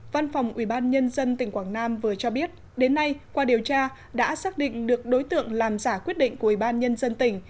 văn phòng ubnd tỉnh quảng nam vừa cho biết đến nay qua điều tra đã xác định được đối tượng làm giả quyết định của ubnd tỉnh